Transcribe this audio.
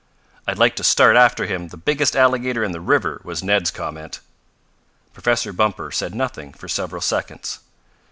"I'd like to start after him the biggest alligator in the river," was Ned's comment. Professor Bumper said nothing for several seconds.